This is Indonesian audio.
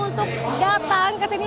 untuk datang ke sini